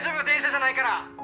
電車じゃないから。